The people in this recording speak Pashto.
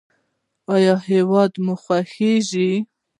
ایا هیواد مو خوښیږي؟